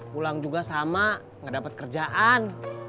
pulang juga sama gak dapet kerjaan